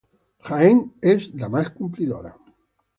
Jaén es la más cumplidora